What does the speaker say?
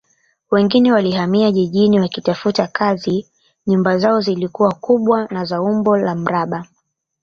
Wengine walihamia jijini wakitafuta kazi nyumba zao zilikuwa kubwa na za umbo la mraba